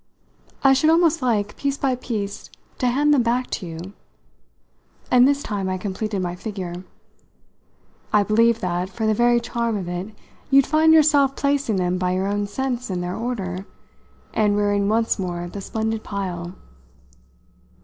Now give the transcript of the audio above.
"I should almost like, piece by piece, to hand them back to you." And this time I completed my figure. "I believe that, for the very charm of it, you'd find yourself placing them by your own sense in their order and rearing once more the splendid pile.